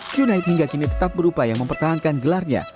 junaid hingga kini tetap berupa yang mempertahankan gelarnya